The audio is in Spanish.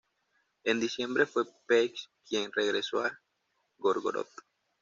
En diciembre fue Pest quien regresó a Gorgoroth.